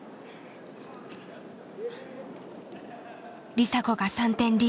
梨紗子が３点リード。